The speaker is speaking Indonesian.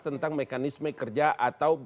tentang mekanisme kerja atau